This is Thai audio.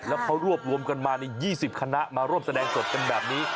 แล้วเขารวบรวมกันมาใน๒๐คณะมาร่วมแสดงสดกันแบบนี้